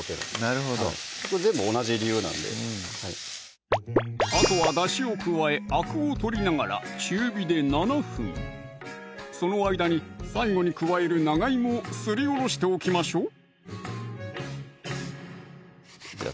なるほど全部同じ理由なんでうんあとはだしを加えアクを取りながら中火で７分その間に最後に加える長いもをすりおろしておきましょうじゃあ